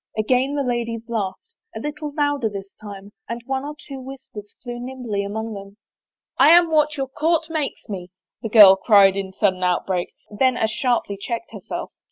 Again the ladies laughed, a little louder this time, and one or two whispers flew nimbly among them. " I am what your court makes me," the girl cried in sudden outbreak, then as sharply checked herself.